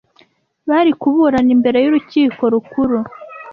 bari kuburana imbere y’Urukiko Rukuru